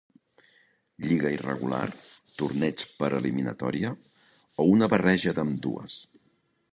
Lliga irregular, torneig per eliminatòria, o una barreja d'ambdues.